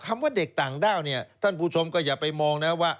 ว่าเด็กต่างด้าวเนี่ยท่านผู้ชมก็อย่าไปมองนะว่า